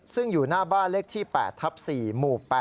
ซึ่งอยู่หน้าบ้านเลขที่๘ทับ๔หมู่๘